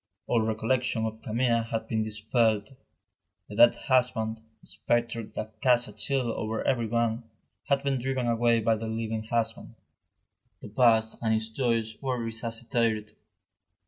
All recollection of Camille had been dispelled. The dead husband, the spectre that cast a chill over everyone, had been driven away by the living husband. The past and its joys were resuscitated.